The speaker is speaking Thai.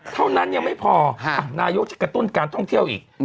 เท่านั้นยังไม่พอนายกจะกระตุ้นการท่องเที่ยวอีก